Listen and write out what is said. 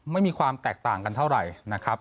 ไม่มีความแตกต่างกันเท่าไหร่นะครับ